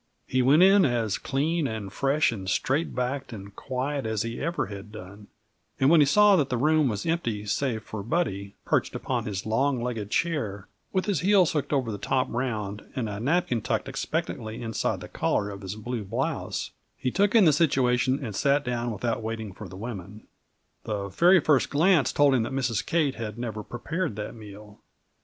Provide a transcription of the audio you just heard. He went in as clean and fresh and straight backed and quiet as ever he had done, and when he saw that the room was empty save for Buddy, perched upon his long legged chair with his heels hooked over the top round and a napkin tucked expectantly inside the collar of his blue blouse, he took in the situation and sat down without waiting for the women. The very first glance told him that Mrs. Kate had never prepared that meal.